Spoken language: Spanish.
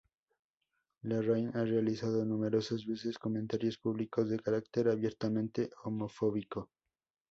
Larraín ha realizado numerosas veces comentarios públicos de carácter abiertamente homofóbico.